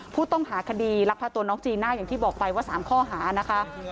ผู้ต้องหาคดีลักพาตัวน้องจีน่าอย่างที่บอกไปว่า๓ข้อหานะคะ